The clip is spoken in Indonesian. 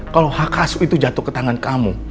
kalau hakasu itu jatuh ke tangan kamu